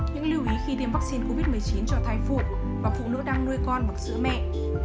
những lưu ý khi tiêm vaccine covid một mươi chín cho thai phụ và phụ nữ đang nuôi con bằng sữa mẹ